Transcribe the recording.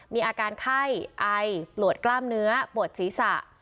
มีอาการไข้ไอปวดกล้ามเนื้อปวดศีรษะ